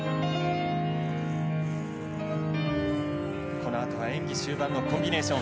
このあとは演技終盤のコンビネーション。